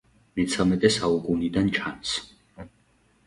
მეცამეტე საუკუნიდან ჩანს.